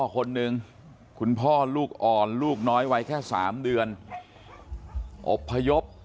คนหนึ่งคุณพ่อลูกอ่อนลูกน้อยวัยแค่๓เดือนอบพยพ